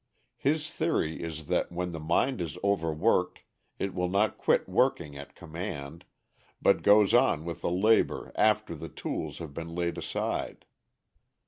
His theory is that when the mind is overworked it will not quit working at command, but goes on with the labor after the tools have been laid aside.